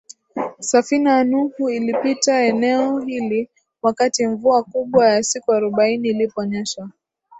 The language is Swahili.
Safina ya Nuhu ilipita eneo hili wakati mvua kubwa ya siku arobaini iliponyesha